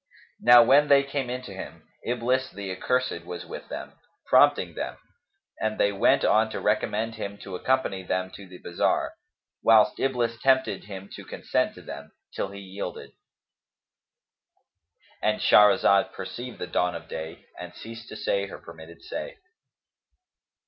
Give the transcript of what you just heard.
Now when they came in to him, Iblis the Accursed was with them, prompting them; and they went on to recommend him to accompany them to the bazar, whilst Iblis tempted him to consent to them, till he yielded,—And Shahrazad perceived the dawn of day and ceased to say her permitted say.